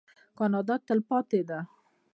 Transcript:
کاناډا تلپاتې ده.